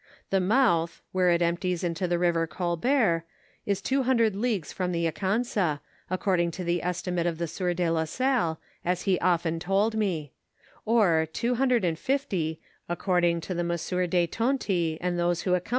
The mouth, where it empties into the river Colbert, is two hun dred leagues from the Akansa, according to the estimate of the sieur de la Salle, as he often toM me; or two hundred and fifty, according to Monsieur de Tonty, and those who accom 222 NARRATIVE OF FATHER DOUAY.